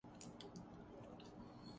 مسلہ ہو جائے گا۔